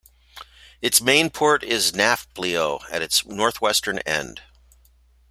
Its main port is Nafplio, at its northwestern end.